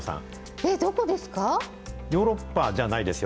えっ、どこですか？